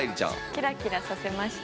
キラキラさせました。